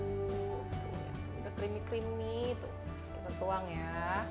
udah creamy creamy tuh kita tuang ya